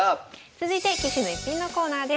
続いて「棋士の逸品」のコーナーです。